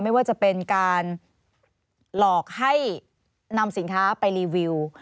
ไม่ว่าจะเป็นการหลอกให้นำสินค้าไปรีวิว